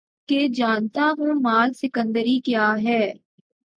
کہ جانتا ہوں مآل سکندری کیا ہے